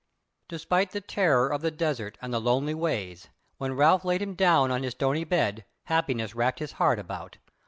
Despite the terror of the desert and the lonely ways, when Ralph laid him down on his stony bed, happiness wrapped his heart about.